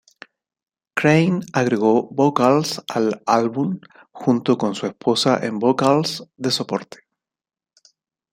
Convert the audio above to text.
Crane agregó vocals al álbum junto con su esposa en vocals de soporte.